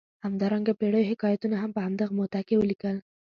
همدارنګه پېړیو حکایتونه هم په همدغه موده کې ولیکل.